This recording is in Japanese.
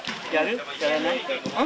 やらない？